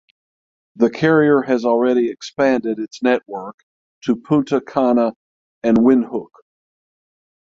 The carrier has already expanded its network to Punta Cana and Windhoek.